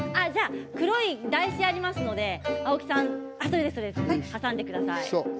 黒い台紙がありますので挟んでください。